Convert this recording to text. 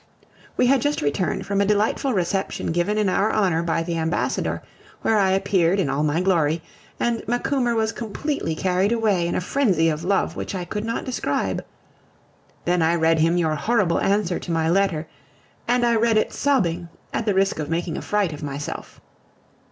We had just returned from a delightful reception given in our honor by the ambassador, where I appeared in all my glory, and Macumer was completely carried away in a frenzy of love which I could not describe. Then I read him your horrible answer to my letter, and I read it sobbing, at the risk of making a fright of myself.